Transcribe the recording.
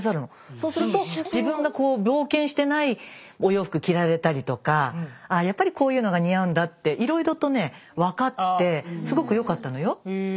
そうすると自分が冒険してないお洋服着られたりとかやっぱりこういうのが似合うんだっていろいろとね分かってすごく良かったのよ。